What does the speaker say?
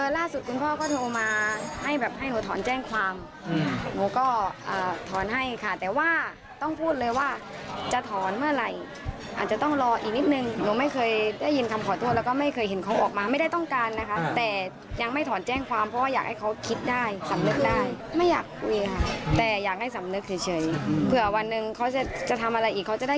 ล่าสุดคุณพ่อก็โทรมาให้แบบให้หนูถอนแจ้งความหนูก็ถอนให้ค่ะแต่ว่าต้องพูดเลยว่าจะถอนเมื่อไหร่อาจจะต้องรออีกนิดนึงหนูไม่เคยได้ยินคำขอโทษแล้วก็ไม่เคยเห็นเขาออกมาไม่ได้ต้องการนะคะแต่ยังไม่ถอนแจ้งความเพราะว่าอยากให้เขาคิดได้สำนึกได้ไม่อยากคุยค่ะแต่อยากให้สำนึกเฉยเผื่อวันหนึ่งเขาจะจะทำอะไรอีกเขาจะได้